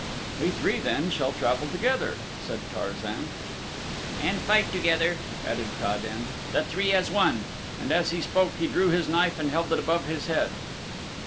"We three, then, shall travel together," said Tarzan. "And fight together," added Ta den; "the three as one," and as he spoke he drew his knife and held it above his head.